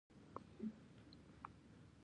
د ایران اقتصاد په سیمه کې لوی دی.